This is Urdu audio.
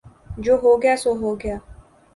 جو ہو گیا سو ہو گیا